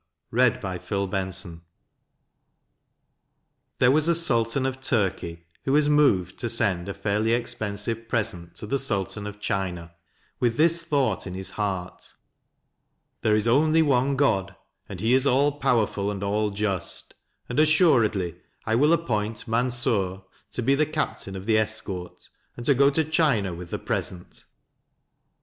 Alas, poor Pentheus! MANSUR THERE was a Sultan of Turkey who was moved to send a fairly expensive present to the Sultan of China, with this thought in his heart: "There is only one God, and he is all powerful and all just, and assuredly I will appoint Mansur to be Captain of the Escort, and to go to China with the present.